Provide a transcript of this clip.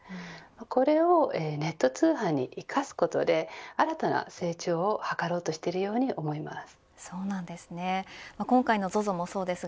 これをネット通販に生かすことで新たな成長を図ろうとしているように思います。